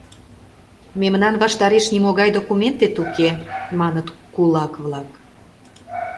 — Мемнан ваштареш нимогай документет уке, — маныт кулак-влак.